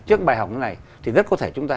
trước bài học như thế này thì rất có thể chúng ta